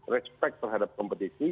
respect terhadap kompetisi